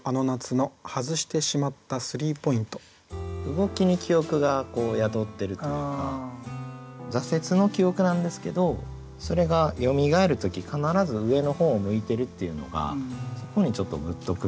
動きに記憶が宿っているというか挫折の記憶なんですけどそれがよみがえる時必ず上の方を向いてるっていうのがそこにちょっとグッとくるなって。